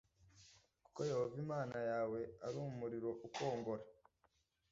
Kuko Yehova Imana yawe ari umuriro ukongora,